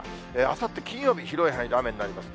あさって金曜日、広い範囲で雨になります。